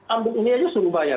ambil ini saja suruh bayar